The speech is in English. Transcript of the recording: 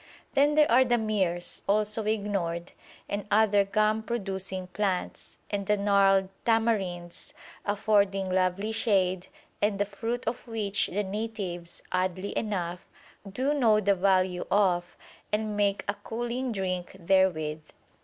Then there are the myrrhs, also ignored, and other gum producing plants; and the gnarled tamarinds, affording lovely shade, and the fruit of which the natives, oddly enough, do know the value of, and make a cooling drink therewith.